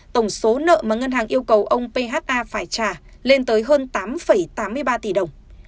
tổng số nợ mà ngân hàng yêu cầu ông phha phải trả lên tới hơn tám tám mươi ba tỷ đồng